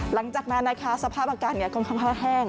หลังจากนั้นนะคะสภาพอากาศค่อนข้างแห้ง